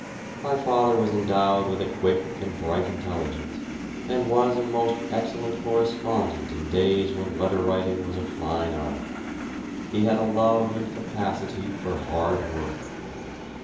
My father was endowed with a quick and bright intelligence, and was a most excellent correspondent in days when letter writing was a fine art. He had a love and capacity for hard work.